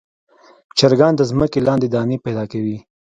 چرګان د ځمکې لاندې دانې پیدا کوي.